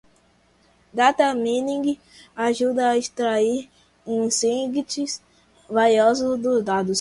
Data Mining ajuda a extrair insights valiosos dos dados.